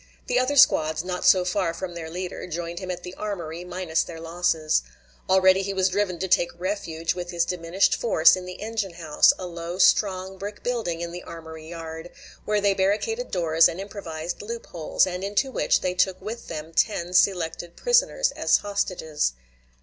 The other squads, not so far from their leader, joined him at the armory, minus their losses. Already he was driven to take refuge with his diminished force in the engine house, a low, strong brick building in the armory yard, where they barricaded doors and improvised loop holes, and into which they took with them ten selected prisoners as hostages.